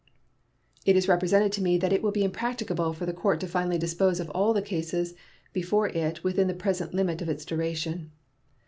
It is represented to me that it will be impracticable for the court to finally dispose of all the cases before it within the present limit of its duration.